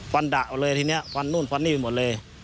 ดะเลยทีนี้ฟันนู่นฟันนี่ไปหมดเลย